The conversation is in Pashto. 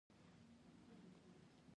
زده کوونکي دې د راغلو شعرونو معنا ولیکي.